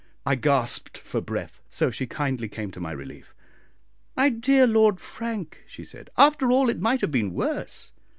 I gasped for breath, so she kindly came to my relief. "My dear Lord Frank," she said, "after all it might have been worse.